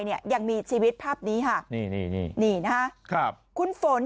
เนี่ยยังมีชีวิตภาพนี้ค่ะนี่นี่นะฮะครับคุณฝน